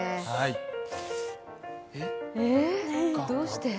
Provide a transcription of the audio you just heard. どうして？